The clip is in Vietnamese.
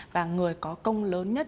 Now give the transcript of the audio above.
và người có công lớn nhất